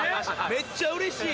めっちゃ嬉しい！